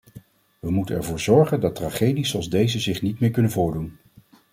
We moeten ervoor zorgen dat tragedies zoals deze zich niet meer kunnen voordoen.